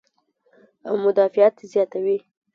او مدافعت زياتوي -